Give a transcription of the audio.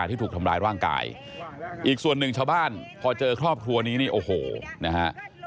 อีกส่วนหนึ่งชาวบ้านพอเจอครอบครัวนี้นี่โอ้โหนะฮะ